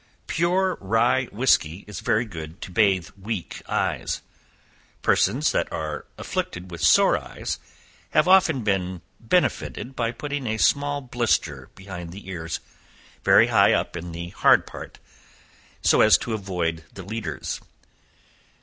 Pure rye whiskey is very good to bathe weak eyes. Persons that are afflicted with sore eyes, have often been benefitted by putting a small blister behind the ears, very high up on the hard part, so as to avoid the leaders.